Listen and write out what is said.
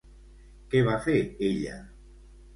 Què va fer ella?